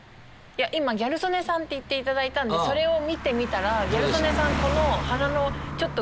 今ギャル曽根さんって言っていただいたんでそれを見てみたらギャル曽根さん。